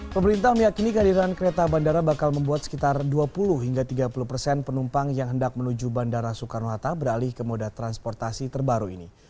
pemerintah meyakini kehadiran kereta bandara bakal membuat sekitar dua puluh hingga tiga puluh persen penumpang yang hendak menuju bandara soekarno hatta beralih ke moda transportasi terbaru ini